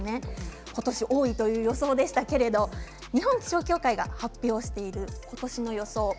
今年多いという予想でしたけれど日本気象協会が発表している今年の予想です。